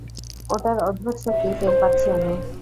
ওটার অদ্ভুত শক্তি টের পাচ্ছি আমি।